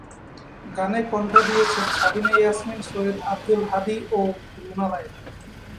গানে কণ্ঠ দিয়েছেন সাবিনা ইয়াসমিন, সৈয়দ আব্দুল হাদী ও রুনা লায়লা।